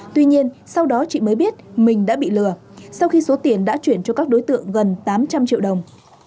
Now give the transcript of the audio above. tuy nhiên sau đó chị mới biết mình đã bị lừa sau khi số tiền đã chuyển cho các đối tượng gần tám trăm linh triệu đồng